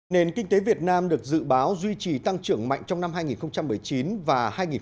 nền kinh tế việt nam được dự báo duy trì tăng trưởng mạnh trong năm hai nghìn một mươi chín và hai nghìn hai mươi